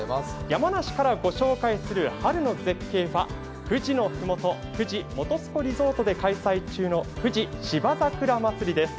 山梨から御紹介する春の絶景は富士の麓、富士本栖湖リゾートで開催中の富士芝桜まつりです。